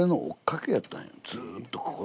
ずっとここ。